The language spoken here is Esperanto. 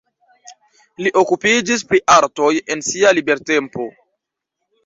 Li okupiĝis pri artoj en sia libertempo.